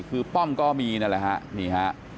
คือป้อมก็มีนั่นแหละฮะนี่ฮะ